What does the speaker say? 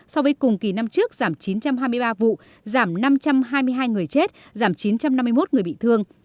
so với cùng kỳ năm trước giảm chín trăm hai mươi ba vụ giảm năm trăm hai mươi hai người chết giảm chín trăm năm mươi một người bị thương